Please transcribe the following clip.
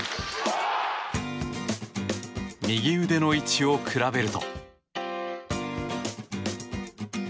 右腕の位置を比べると。